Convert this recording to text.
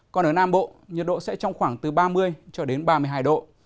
còn ở nam bộ nhiệt độ sẽ trong khoảng từ ba mươi cho đến ba mươi hai độ